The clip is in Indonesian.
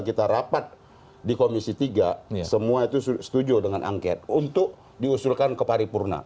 kita rapat di komisi tiga semua itu setuju dengan angket untuk diusulkan ke paripurna